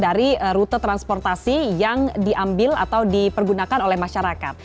dari rute transportasi yang diambil atau dipergunakan oleh masyarakat